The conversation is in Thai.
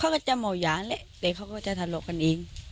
เค้าก็จะเหงาเอยาแหละแต่ก็จะทะโลกันเอง